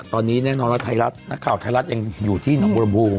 ตอนนี้แน่นอนว่าไทยรัฐนักข่าวไทยรัฐยังอยู่ที่หนองบรมบู